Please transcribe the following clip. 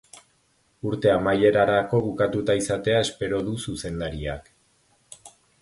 Urte amaierarako bukatuta izatea espero du zuzendariak.